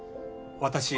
私